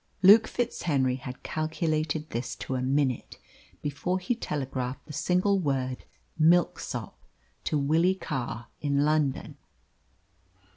Luke FitzHenry had calculated this to a minute before he telegraphed the single word "Milksop" to Willie Carr in London.